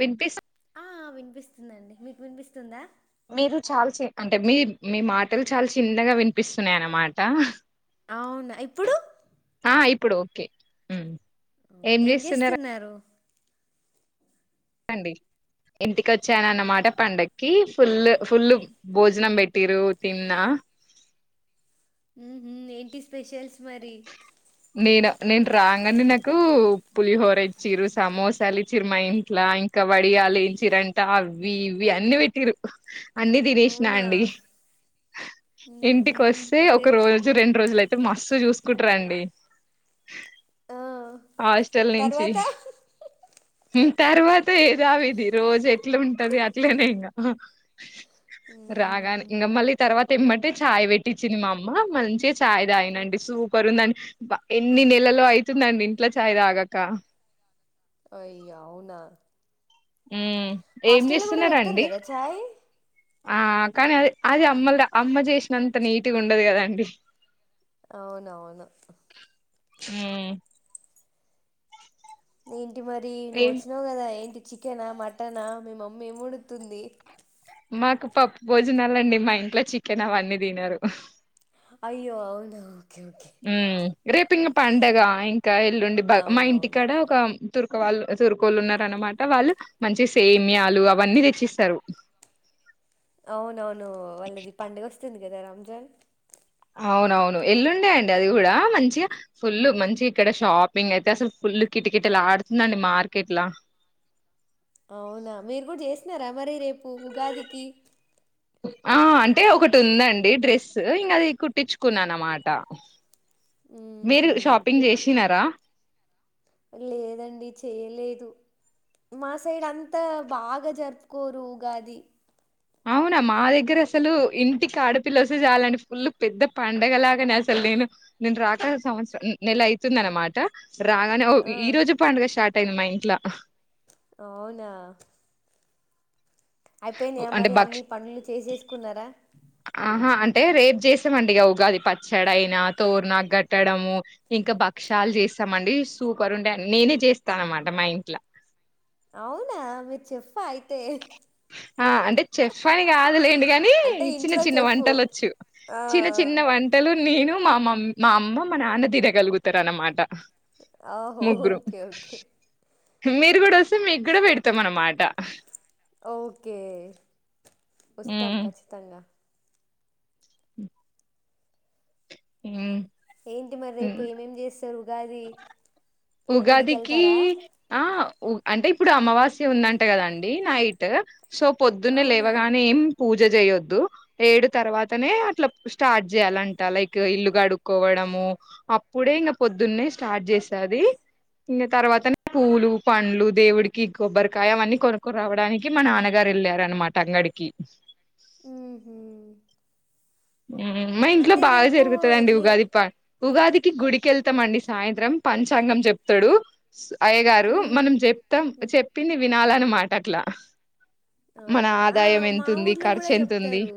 విన్పిస్ ఆ వినిపిస్తుందండి మీకు వినిపిస్తుందా మీరు చాలా చి అంటే మీ మీ మాటలు చాలా చిన్నగా వినిపిస్తున్నాయ అన్నమాట అవునా ఇప్పుడు ఆ ఇప్పుడు ఓకే ఏం చేస్తున్నారు డి ఇంటికి వచ్చాను అన్నమాట పండగకి ఫుల్ ఫుల్ భోజనం పెట్టిరు తిన్నా ఉహు ఏంటి స్పెషల్స్ మరి నేను నేను రాగానే నాకు పులిహోర ఇచ్చరు సమోసాలు ఇచ్చిర మా ఇంట్లో ఇంకా వడియాలు ఏంచరంట అవి ఇవి అన్ని పెట్టిరు అన్ని తినసినా అవునా అండి ఉహు ఇంటికి వస్తే అయితే ఒక రోజు రెండు రోజులు అయితే మస్తు చూసుకు రండి ఆ హాస్టల్ నుంచి తర్వాత తర్వా ఏద అవి రోజు ఎట్లా ఉంటది అట్లేనే ఇంకా అ ఉహు రాగాని ఇంక మళ్ళీ తర్వాత [unintelligible] ఛాయ్ పెట్టించిది మా అమ్మ మంచిగా ఛయ్ తగిన అండి సూపర్ ఉంద ఎన్ని నెలలో అవుతుందండి ఇంట్లో ఛాయ్ తాగాక అయ్యా అవునా ఉమ్ ఏం హాస్టల్లో కూడా పెడతారు చేస్తున్నారండి కదా చాయ్ ఆ కానీ అది అది అమ్మలు అమ్మ చేసినంత నీట్గా ఉండదు కదండి అవున అవును అ నను ఇ మరి నువ్వు ఏం వచ్చినావు కదా ఏంటి చికెనా మటనా మీ మమ్మీ ఉడుతుంది మాకు పప్పు భోజనాలు అండి మా ఇంట్లో చికెన్ అవన్నీ తినారు అయ్యో అవును ఓకే ఓకే రేపుంగ పండగ ఇం ఇకా ఎల్లుండి బా మా అవునవును ఇంటికాడ ఒక తుర్కవాళ్ళు తుర్కళ్ళు ఉన్నారు అన్నమాట వాళ్ళు మంచి సేమ్యాలు అవన్నీ తెచ్చిస్తారు అవునవును వాళ్ళది పండుగ వస్తుంది ఏదా రంజాన్ అవునవును ఎల్లుండే అండి అది కూడా మంచిగా ఫుల్లు మంచి ఇక్కడ షాపింగ్ అయితే అసలు ఫుల్ కిటకీటలాడుతుందండి మార్కెట్లా అవునా మీరు కూడా చేసినారా మరి రేపు ఉగాదికి ఆ అంటే ఒకటి ఉందండి డ్రెస్ ఇంకా అది కుట్టిచ్చుకున్నా అనమాట మీరు ఉహు షాపింగ్ చేషినారా లేదండి చేయలేదు మా సైడ్ అంతా బాగా జరుపుకోరు ఉగాది అవునా మా దగ్గర అసలు ఇంటికి ఆడపిల్ల వస్తే చాలండి ఫుల్ పెద్ద పండగలాగానే అసలు నేను నేను రాక సంవత్సరం నెల ఐతుంది అనమాట రాగానే ఓ ఆ ఈ రోజు పండుగ షార్ట్ టెన్ మా ఇంట్లా అవునా అయిపోయినయా అంటే మరి భక్ష అన్ని పనులు చేసేసుకున్నారా చేస్తామండి ఇగ ఉగాది పచ్చడైనా తోరనా గట్టడము ఇంకా భక్ష్యాలు చేస్తామండి సూపర్ ఉండే నేనే చేస్తా అనమాట మా ఇంట్ల అవునా మీరు చెఫ్ ఆ ఐ ఆ అంటే చెఫ్ అని కాదులేండి కాని అంటే చిన్న ఇంట్లో చిన్న చెఫ్ వంటలు వచ్చు ఆ చిన్న చిన్న వంటలు నీను మామ్ మా అమ్మ మా నాన్న తినగలుగుతారనమాట ఆహో ఓకే ఓకే మీరు కూడా వస్తే మీకు కూడా పెడుతాం అనమాట ఓకే వస్తాం హ్మ్ ఖచ్చితంగా మ్ ఏంటి మరి రేపు ఏమేం చేస్తారు గది ఉగాదికి ఆ అంటే ఇప్పుడు అమావాస్య ఉందంటే కదండి నైట్ సో పొద్దున్నే అవునా లేవగాననే ఏం పూజ చేయొద్దు, ఏడు తర్వాతనే అట్లా స్టార్ట్ చేయాలంట లైక్ ఇల్లు కడుక్కోవడము అప్పుడే ఇంకా పొద్దున్నే స్టార్ట్ చేసేది ఇంకా తర్వాతనే పూలు పండ్లు దేవుడికి కొబ్బరికాయ అవన్నీ కొనుక్కరావడానికి, మా నాన్నగారు వెళ్ళార అనమాట అంగడికి ఉమ్మ్ మా ఇంట్లో బాగా జరుగుతుందండి ఎర్లీ ఉగాది పా ఉగాదికి గుడికిెళ్తామండి సాయంత్రం పంచాంగం చెప్తాడు అయ్య గారు హ్మ్. మనం చెప్తాం హ్మ్. చెప్పింది వినాలన మా మాటట్లా మన అవును. ఆ! ఆదాయం ఎంత మా ఉంది ఊర్లో గూడా ఖర్చు ఎంత ఉంది జెప్తారు.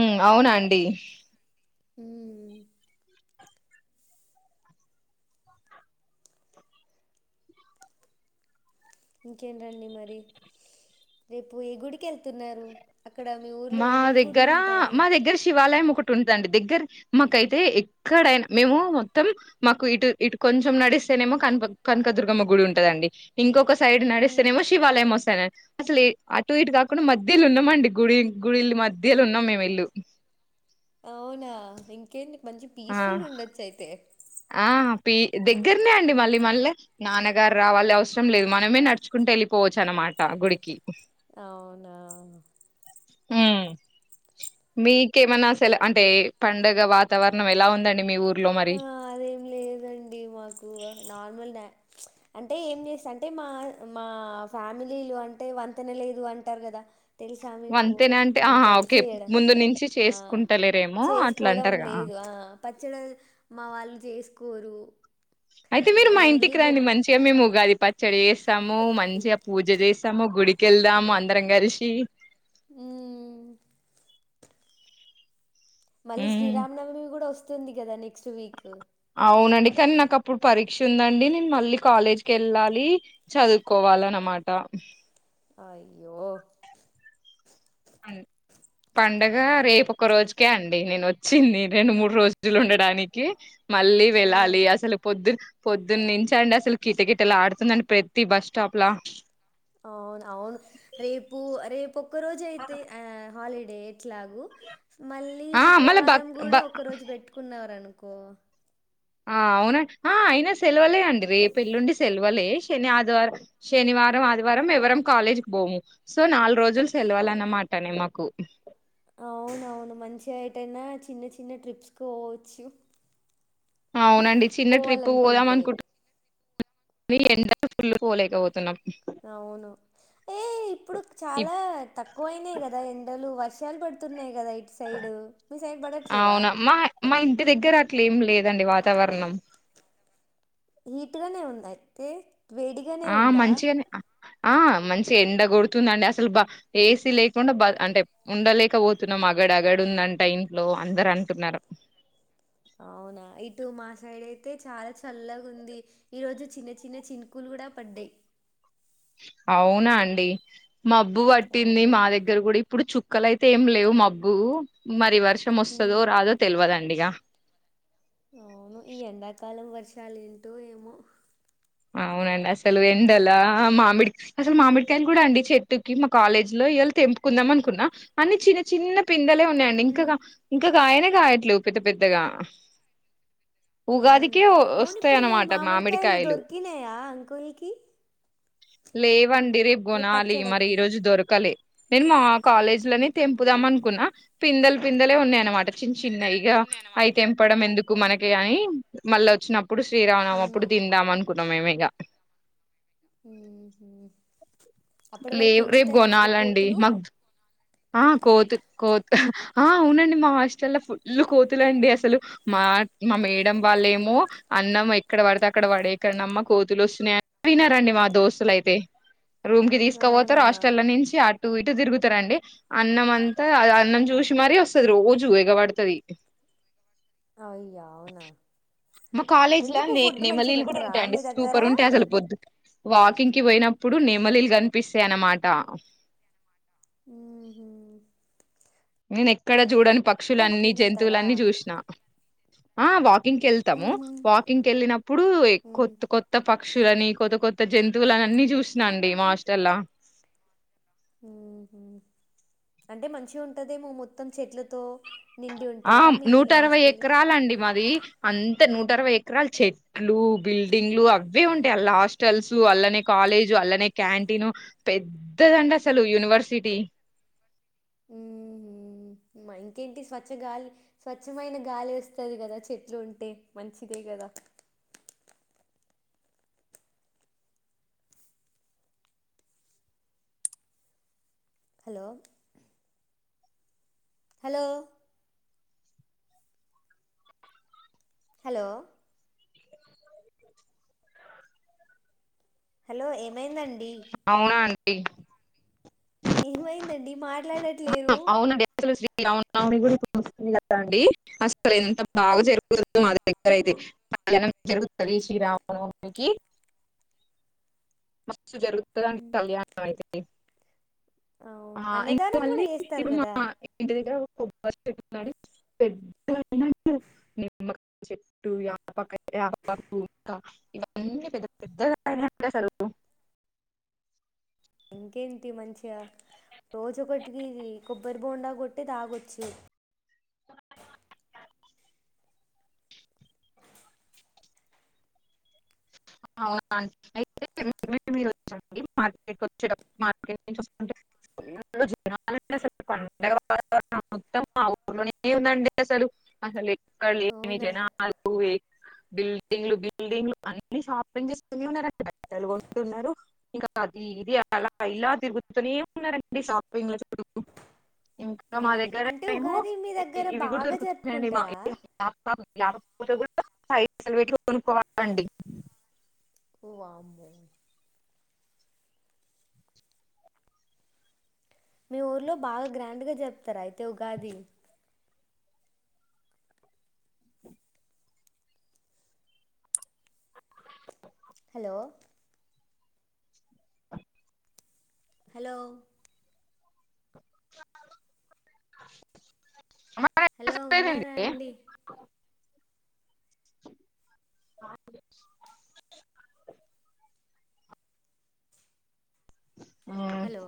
ఉ అవునండి మ్మ్ ఇంకేంటండి మరి రేపు ఏ గుడికి వెళ్తున్నారు మా దగ్గర మా దగ్గర శివ శివాలయం ఒకటి ఉంటదండి దగ్గర మాకైతే ఎక్కడైనా మేము మొత్తం మాకు ఇటు ఇటు కొంచెం నడిస్తేనేమో కనక కనకదుర్గమ్మ గుడి ఉంటదండి ఇంకొక సైడ్ హ్మ్. నడుస్తేనేమో శివాలయం వస్తద అసలు అటు ఇటు కాకుండా మధ్య ఉన్నామండి గుడి గుడిల్లు మధ్యలఉన్నాం మేము ఇల్లు అవునా ఇంకేంది మంచి ఆ పీస్ఫుల్ గా ఉండొచ్చు అయితే ఆ పి దగ్గరనే అండి మళ్ళీ మళ్ళీ నాన్నగారు రావాలి అవసరం లేదు మనమే నడుచుకుంటూ వెళ్ళిపోవచ్చు అనమాట గుడికి అవునా ఉమ్మ్ మీకేమన్నా అ సెలు అంటే పండగ వాతావరణం ఎలా ఉందండి మీ ఊరు అదేం లేదండి మాకు నార్మల్ అంటే ఏం చేస్త అంటే మా మా ఫ్యామిలీలో అంటే వంతెన లేదు అంటారు కదా తెలుసా మీకు అంతేనా ఆ అంటే ఓకే చేయడం ముందు నుంచి చేసుకుంటలేరేమో అట్లా చేసుకోవడం అంటారుగా లేదు పచ్చడ వాళ్ళు చేసుకోరు అయితే జి మీరు మా ఓన్లీ ఇంటికి రండి బొబ్ మంచిగా మేము ఉగాది పచ్చడి చేస్తాము మంచిగా పూజ చేస్తాము గుడికిెళ్దాము అందరం కలిసి మ్మ్ మళ్ళీ హ్మ్. శ్రీరామ నవమి కూడా వస్తు వస్తుంది కదా నెక్స్ట్ వీక్ అవునండి కానీ నాకు అప్పుడు పరీక్ష ఉందండి నేను మళ్ళీ కాలేజ్కి వెళ్ళాలి చదువుకోవాల అన్నమాట ఆయిో పండగ రేపు ఒక రోజుకే అండి నేను వచ్చింది రెండు మూడు రోజులు ఉండడానికి మళ్ళీ ఆ! వెళ్ళాలి అసలు పొద్దు పొద్దున్న నుంచ అండి అసలు కిటకిీటలా ఆడుతుందండి ప్రతి బస్ స్టాప్ లా అవును అవును రేపు రేపు ఒక రోజు అయితే హాలిడే ఎయిడ్స్ లాగు మళ్ళీ ఆ మళ్ళ బ శుక్రవారం బ కూడా ఒక రోజు పెట్టుకున్నరను కో ఆ అవునా ఆ అయినా సెలవలే అండి రే పెళ్ల్లుండి సెలవలే శని ఆదివారం శనివారం ఆదివారం ఎవరం కాలేజ్కి పోము సో నాలుగు రోజులు సెలవలు అన్నమాటనే మాకు అవునవును మంచి అయిటయినా చిన్న చిన్న ట్రిప్స్కి పోవచ్చు అవునండి చిన్న ట్రిప్పు పోదాం పోవాలనుకుంటే అనుకుంట్ మీ ఎండ ఫుల్ళు పోలేకపోతున్నాం అవును ఏ ఇప్పుడు ఇప్- చాలా తక్కువ అయినాయి కదా ఎండలు వర్ష ల్ పడుతున్నయి కదా యిట్ సైడ్ మీ సైడ్ పడట్లేవా అవునా మా మా ఇంటి దగ్గర అట్లే ఏం లేదండి వాతావరణం హీట్గానే ఉంద అయితే వేడిగానే ఆ ఉందా మంచిగానే ఆ మంచిగ ఎండ కొడుతుందండి అసలు బ ఏసీ లేకుండా బ అంటే ఉండలేక పోతున్నాం అగడగడుందంట ఇంట్లో అందరు అంటున్నారు అవునా ఇటు మా సైడ్ అయితే చాలా చల్లగా ఉంది ఈరోోజు చిన్న చిన్న చినుకులు కూడా పడ్డాయి అవునా అండి మబ్బు పట్టింది అవును మా దగ్గర కూడా ఇప్పుడు చు కుక్కలయితే ఏం లేవు మబ్బు మరి వర్ షం వస్తదో ఉమ్ రాదో తెలువదండి ఇగా అవును ఈ ఎండాకాలం వర్షాలు ఏంటో ఏమో అవునండి అసలు ఎండల మామిడి అసలు మామిడికాయలు కూడా అండి చెట్టుకి మా కాలేజీ లో ఇయళ తెంపుకుందాం అనుకున్నా అన్ని చిన్న చిన్న పిందేలే ఉన్నాయండి ఉమ్ ఇంకా ఇంకా కాయనే కాయట్లేవ్ పెద్ద పెద్దగా అవునా ఉగాదికే అవును ఇప్పుడు మరి వస్తాయన్నమాట మామిడికాయలు దొరికినాయా అంకుల్కి లేవండి రేపు కొనాలి మరి ఈ రోజు దొరుక లే నేను మా కాలేజ్ లోని తెంపుదాం అనుకున్నా పిందేల్ పిందలే ఉన్నాయి అనమాట చిన్ చిన్న ఇగ ఉన్నాయన్నమాట అయి తెంపడం ఎందుక్ కు మనకి అని మళ్ళోచ్చినం ఇప్పుడు శ్రీరామనవమాప్పుడు ఉమ్ తిందామన్ మేమీగా ఉ లేవ్ రేపు కొనాలండి మాకు ఆ కోతు కో ఆ అవునండి మా హాస్టల్ లో ఫుల్ కోతులు అండి అసలు మా మా మేడం వాళ్ళ ఏమో అన్నం ఎక్కడ పడితే అక్కడ పడేకడమ్మా కోతులు వస్తున్నాయని వినారండి మా దోస్తులైతే కి తీసుకపోోతారు అవునా హాస్టల్ల నుంచి అట్ టు ఇటు తిరుగుతారండి అన్నం అంతా అన్నం చూసి మరీ వస్తది రోజు ఎగ పడుతది అయ్యా అవునా మా కాలేజ్ లో ఎందుకు నే ఫుడ్ మంచిగా నెమ్మలిలు కూడా పెట్టరా ఉంటాయండి మీ దగ్గర సూపర్ ఉంటాయి అసల్ పోద్దు వా కింగ్కి పోయినప్పుడు నేమలిలు కనిపిస్తాయి అన్నమాట ఉమ్ హు నేను ఎక్కడ చూడని పక్షులన్నీ వెళ్తారా జంతువులన్నీ చూసిన ఆ వాకింగ్ తాము ఉహు వాకింగ్కి వెళ్ళినప్పుడు ఉమ్ కొత్త కొత్త పక్ క్షులని కొత్త కొత్త జంతువులని అన్ని చూసిన అండి మా హాస్టల్ల ఉమ్ హు అంటే మంచిగుంటదేమో మొత్తం చెట్లతో నిండి ఆ ఉంటదా మీ నూట అరవై హాస్టల్ ఎకరలండి మాది అంత నూట అరవై ఎకరాలు చెట్లు బిల్డింగ్లు అవే ఉంటాయి అల్ల హాస్టల్స్ అల్లనే కాలేజు అల్లనే క్యాంటీన్ పెద్దదండి అసలు యూనివర్సిటీ ఉమ్ హు మ ఇంకేంటి స్వచ్ఛ గాలి స్వచ్ఛమైన గాలి వస్తది కదా చెట్లు ఉంటే మంచిదే కదా హలో హలో హలో హలో ఏమైందం అవునాం డి ఏమైందండి మాట్లాడట్ అవును అవునండి అసలు శ్రీ శ్రీ రామనవమి కూడా వస్తుంది కదా అండి అసలు ఎంత బాగా జరుగుదు మా దగ్గర అయితే చాలా మంచిగా జరుగుతది శ్రీరామనవమికి మస్తు జరుగుతదండి ఉమ్, కళ్యాణం అయితే మ్ అవును ఆ ఇంక అన్నదానం కూడా మళ్ళీ చేస్తారు కదా మా ఇంటి దగ్గర కొబ్బరి చెట్టు పెద్దగాయినాయండి నిమ్మకాయ చెట్టు ఇగ యాపకాయి యాపాకు ఇంక ఇవన్నీ పెద్ద పెద్దగా అయినాయి అండి అసలు ఇంకేంటి మంచిగా రోజు ఒకటికి కొబ్బరి బొండా కొట్టి తాగొచ్చు అవునండి అయితే మీరు [inaudible] మార్కెట్ వచ్చేటప్పుడు మార్కెట్ నుంచి వస్తుంటే ఫుల్లు జనం అస్సలు పండగతావరణం మొత్తం మా ఊర్లోనే ఉందండి అసలు ఎక్కడ లేని అవునా జనాలు ఎ బిల్డింగ్లు బిల్డింగ్లు అన్ షాపింగ్ చేస్తనే ఉన్నారండి బట్టలు కొంటున్నారు ఇంకా అది ఇది అలా ఇలా తిరుగుతునే ఉన్నారండి షాపింగ్ లో చుట్టూ ఇం క మా అవును దగ్గర అంటే ఏమో ఉగాది మీ దగ్గర ఇవి కూడా బాగా దొరుకుతున్నాయండి [inaudible] జరుపుకుంటారా వేప పూత కూడా పైసలు పెట్టి కొనుక్కోవాలండి ఓ వామ్మో మీ ఊర్లో బాగా గ్రాండ్ గా జరుపుతారా అయితే ఉగాది అ హలో హలో మరి హలో అసలు లేదండి. ఉన్నారా అండి ఆ అండి హలో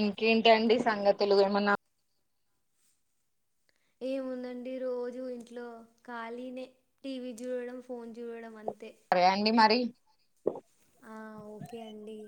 ఇంకేంటి అండి సంగతులు ఏమన్నా ఏముందండి రోజూ ఇంట్లో ఖాళీనే టీ వీ చూడడం ఫోన్ చూడడం అం సరే అండి మరి ఆ ఓకే అండి